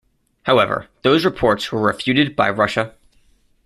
However, those reports were refuted by Russia.